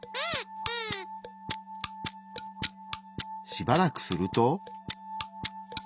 しばらくすると。